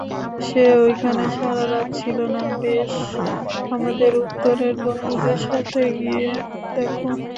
সে ঐখানে সারারাত ছিলোনা বেশ, আমাদের উত্তরের বন্ধুদের সাথে গিয়ে দেখো।